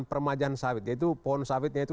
permajaan sawit yaitu pohon sawitnya itu